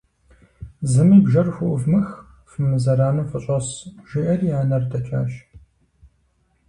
– Зыми бжэр хуӏувмых, фымызэрану фыщӏэс, - жиӏэри анэр дэкӏащ.